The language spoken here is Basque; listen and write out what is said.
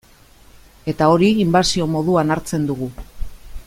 Eta hori inbasio moduan hartzen dugu.